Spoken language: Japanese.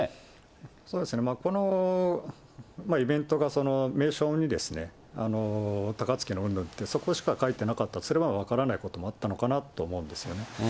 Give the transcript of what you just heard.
このイベントが名称に、たかつきのうんぬんって、そこしか書いてなかった、それは分からないこともあったのかなと思うんですよね。